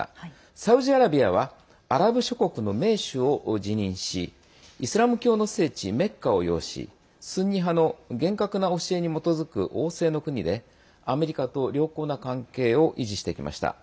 サウジアラビアはアラブ諸国の盟主を自認しイスラム教の聖地メッカを擁しスンニ派の厳格な教えに基づく王制の国でアメリカと良好な関係を維持してきました。